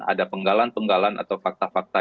ada penggalan penggalan atau fakta fakta